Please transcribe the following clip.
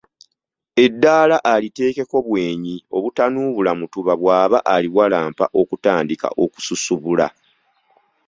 Eddaala aliteekako bwenyi obutanuubula mutuba bw’aba aliwalampa okutandika okususubula.